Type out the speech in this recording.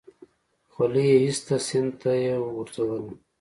خولۍ يې ايسته سيند ته يې وگوزوله.